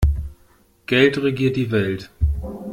Geld regiert die Welt.